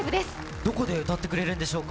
どこで歌ってくれるんでしょうか。